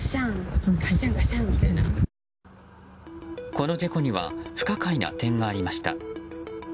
この事故には不可解な点がありました。